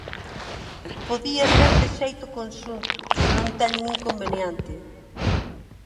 Podía ser de xeito conxunto, se non teñen inconveniente.